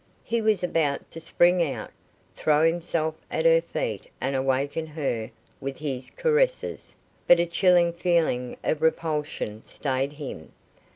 He was about to spring out, throw himself at her feet, and waken her with his caresses, but a chilling feeling of repulsion stayed him.